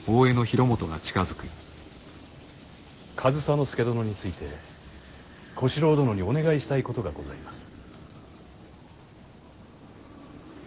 上総介殿について小四郎殿にお願いしたいことがございます。